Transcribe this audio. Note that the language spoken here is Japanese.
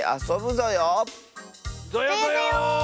ぞよぞよ。